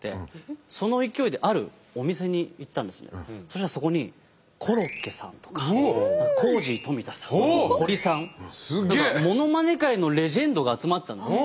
そしたらそこにコロッケさんとかコージー冨田さんホリさんモノマネ界のレジェンドが集まってたんですよ。